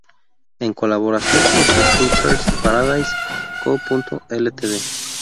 En colaboración con Surfers Paradise Co., Ltd.